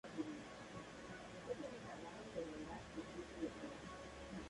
Fue llamado como el Monte Ararat, el pico más alto de Turquía.